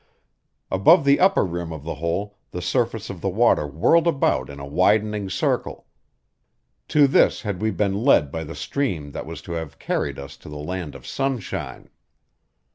Above the upper rim of the hole the surface of the water whirled about in a widening circle; to this had we been led by the stream that was to have carried us to the land of sunshine.